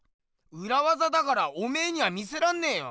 うらわざだからおめえには見せらんねえよ。